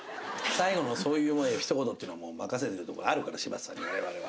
最後のそういうひと言っていうのは任せてるとこあるから柴田さんに我々は。